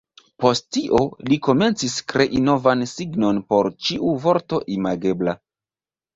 Post tio, li komencis krei novan signon por ĉiu vorto imagebla.